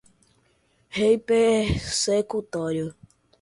reipersecutório